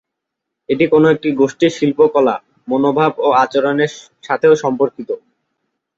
এটি কোনো একটি গোষ্ঠীর শিল্পকলা, মনোভাব ও আচরণের সাথেও সম্পর্কিত।